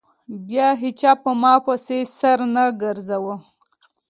بيا هېچا په ما پسې سر نه گرځاوه.